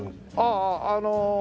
あああの